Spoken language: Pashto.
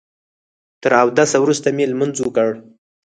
تر اوداسه وروسته مې لمونځ وکړ.